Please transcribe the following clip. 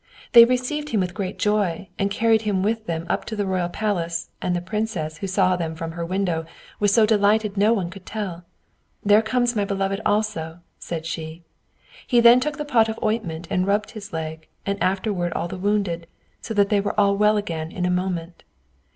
They received him with great joy, and carried him with them up to the royal palace, and the princess, who saw them from her window, was so delighted no one could tell. "There comes my beloved also," said she. He then took the pot of ointment and rubbed his leg, and afterward all the wounded, so that they were all well again in a moment.